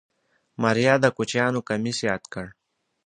ماريا د کوچيانو کميس ياد کړ.